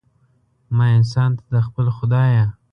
ما انسان ته، د خپل خدایه